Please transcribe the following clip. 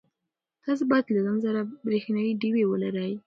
تاسي باید له ځان سره برېښنایی ډېوې ولرئ.